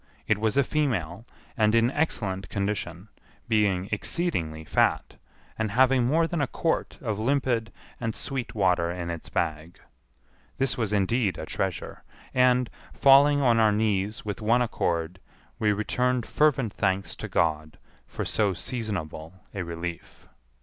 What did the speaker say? It was a female, and in excellent condition, being exceedingly fat, and having more than a quart of limpid and sweet water in its bag. This was indeed a treasure; and, falling on our knees with one accord, we returned fervent thanks to God for so seasonable a relief.